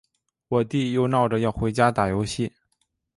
我弟又闹着要回家打游戏。